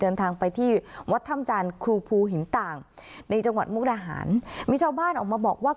เดินทางไปที่วัดถ้ำจานครูภูหินต่างในจังหวัดมุกดาหารมีชาวบ้านออกมาบอกว่า